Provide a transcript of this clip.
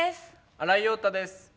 新井庸太です。